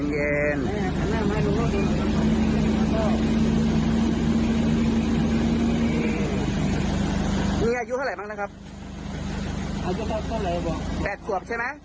๘ขวบใช่ไหม๘ขวบกับ๕ขวบ